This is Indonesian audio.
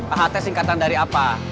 aht singkatan dari apa